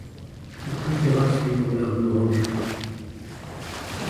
Il préféra suivre la rue Rambuteau.